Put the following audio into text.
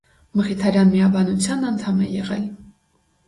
Մխիթարյան միաբանության անդամ է եղել։